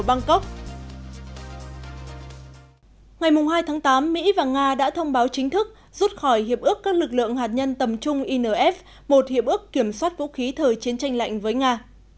ngày hai tháng tám mỹ và nga đã thông báo chính thức rút khỏi hiệp ước các lực lượng hạt nhân tầm trung inf một hiệp ước kiểm soát vũ khí thời chiến tranh lạnh với nga